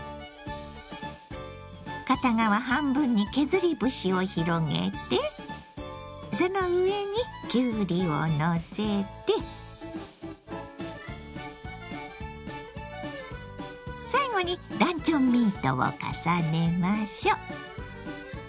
片側半分に削り節を広げてその上にきゅうりをのせて最後にランチョンミートを重ねましょう。